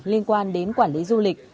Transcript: liên quan đến quản lý du lịch